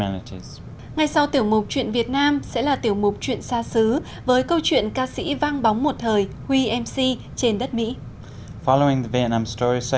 ngay sau tiểu mục chuyện việt nam sẽ là tiểu mục chuyện xa xứ với câu chuyện ca sĩ vang bóng một thời wmc trên đất mỹ